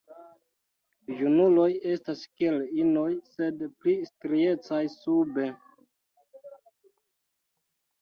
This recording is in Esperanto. Junuloj estas kiel inoj, sed pli striecaj sube.